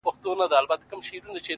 هغه به اور له خپلو سترګو پرېولي _